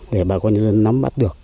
để bà con nhân dân nắm bắt được